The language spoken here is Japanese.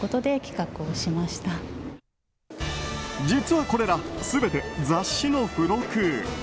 実はこれら、全て雑誌の付録。